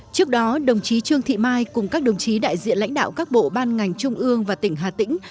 trước đó đồng chí trương thị mai cùng các đồng chí đại diện lãnh đạo các bộ ban ngành trung ương và tỉnh hà tĩnh